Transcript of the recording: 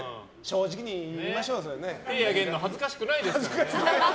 手上げるの恥ずかしくないですよ。